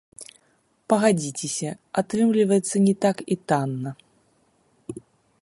Пагадзіцеся, атрымліваецца не так і танна.